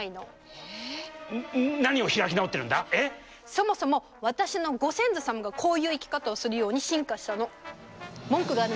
そもそも私のご先祖様がこういう生き方をするように進化したの。